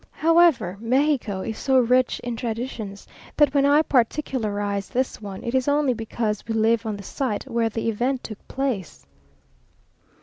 However, Mexico is so rich in traditions, that when I particularize this one it is only because we live on the site where the event took place....